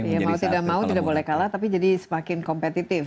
ya mau tidak mau tidak boleh kalah tapi jadi semakin kompetitif